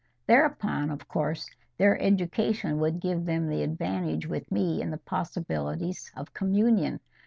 Thereupon, of course, their education would give them the advantage with me in the possibilities of communion.